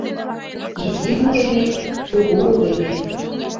Изи уремет, кугу уремет -